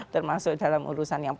termasuk dalam urusan yang